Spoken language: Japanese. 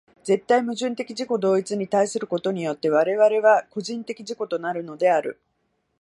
絶対矛盾的自己同一に対することによって我々は個人的自己となるのである。